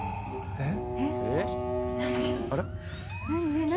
えっ？